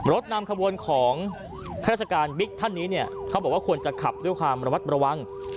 นำขบวนของราชการบิ๊กท่านนี้เนี่ยเขาบอกว่าควรจะขับด้วยความระมัดระวัง